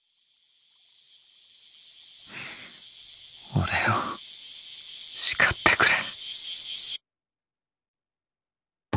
俺を叱ってくれ。